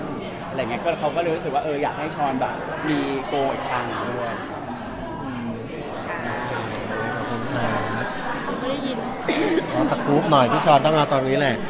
เขาก็เลยรู้สึกว่าอยากให้ชอนมีโกลอีกทางครับ